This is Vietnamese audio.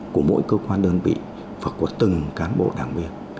của mỗi cơ quan đơn vị và của từng cán bộ đảng viên